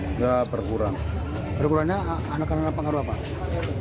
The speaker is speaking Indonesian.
karena pengaruh apa